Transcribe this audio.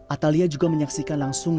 atalia juga menyaksikan langsung